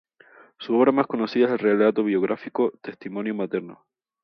Su obra más conocida es el relato biográfico "Testimonio materno".